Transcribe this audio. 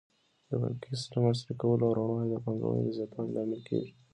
د بانکي سیسټم عصري کول او روڼوالی د پانګونې د زیاتوالي لامل ګرځي.